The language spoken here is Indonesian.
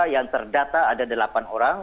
yang terdata ada delapan orang